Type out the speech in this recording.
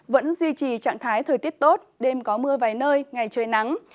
vẫn duy trì trạng thái thời tiết tốt đêm có mưa vài nơi ngày trời nắng